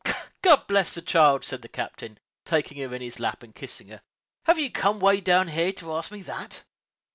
"God bless the child!" said the captain, taking her in his lap and kissing her, "have you come way down here to ask me that?"